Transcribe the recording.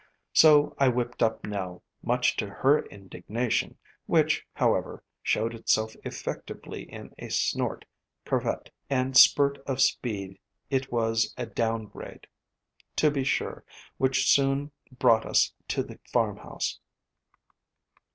So I whipped up Nell, much to her indignation, which, however, showed itself effec tively in a snort, curvet, and spurt of speed — it was a down grade, to be sure — which soon brought us to the farmhouse.